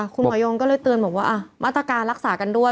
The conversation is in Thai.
คุณหมอยงก็เลยเตือนบอกว่ามาตรการรักษากันด้วย